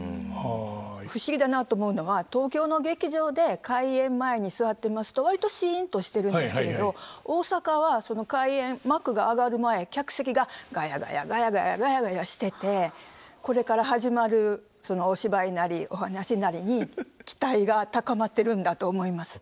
不思議だなと思うのは東京の劇場で開演前に座ってますと割とシンとしてるんですけれど大阪はその開演幕が上がる前客席がガヤガヤガヤガヤガヤガヤしててこれから始まるそのお芝居なりお話なりに期待が高まってるんだと思います。